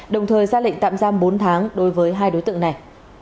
đồng thời ra lệnh tạm giam bốn tháng đối với hai đối tượng này